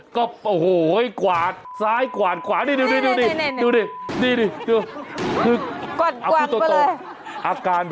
ก็โอ้โหกวาดซ้ายกวาดขวานะ